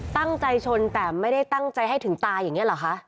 ตั้งใจชนแต่ไม่ได้ตั้งใจให้ถึงตายอย่างนี้เหรอคะ